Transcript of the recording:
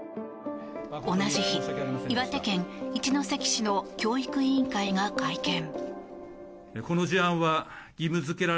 同じ日、岩手県一関市の教育委員会が会見。